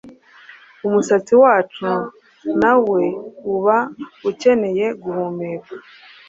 Umusatsi wacu nawe uba ukeneye guhumeka,